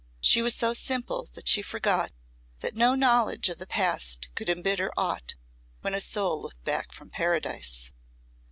She was so simple that she forgot that no knowledge of the past could embitter aught when a soul looked back from Paradise.